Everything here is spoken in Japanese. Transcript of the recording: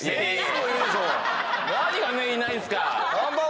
何がメインいないんですか！